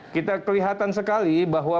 kita kelihatan sekali bahwa